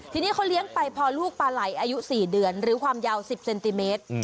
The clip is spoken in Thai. ทีนี้เขาเลี้ยงไปพอลูกปลาไหล่อายุ๔เดือนหรือความยาว๑๐เซนติเมตร